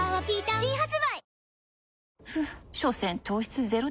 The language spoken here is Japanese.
新発売